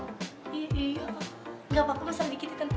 iya iya gak apa apa beseran dikit ya tante